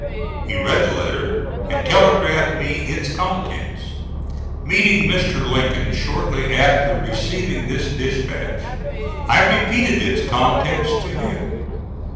He read the letter and telegraphed me its contents. Meeting Mr. Lincoln shortly after receiving this dispatch, I repeated its contents to him.